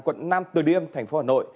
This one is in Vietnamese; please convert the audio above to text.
quận năm từ điêm thành phố hà nội